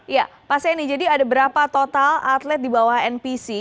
ya pak seni jadi ada berapa total atlet di bawah npc